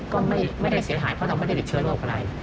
ก็ไม่ได้เสียหายเพราะเราไม่ได้ติดเชื้อโรคอะไร